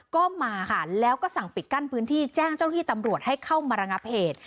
ก็มาค่ะแล้วก็สั่งปิดกั้นพื้นที่แจ้งเจ้าหน้าที่ตำรวจให้เข้ามาระงับเหตุ